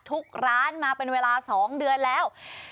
ทุกร้านมาเป็นเวลา๒เดือนแล้ว